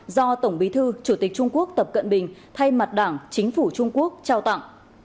do tổng bí thư chủ tịch trung quốc tập cận bình thay mặt đảng chính phủ trung quốc trao tặng